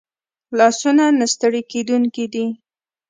لاسونه نه ستړي کېدونکي دي